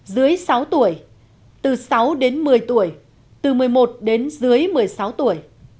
dưới sáu tuổi từ sáu đến một mươi tuổi từ một mươi một đến dưới một mươi sáu tuổi